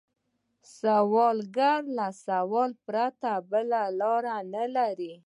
سوالګر له سوال پرته بله لار نه لري